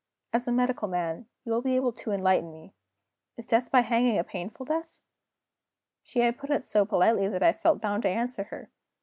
As a medical man, you will be able to enlighten me. Is death by hanging a painful death?' She had put it so politely that I felt bound to answer her.